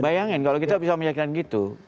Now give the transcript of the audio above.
bayangin kalau kita bisa meyakinkan gitu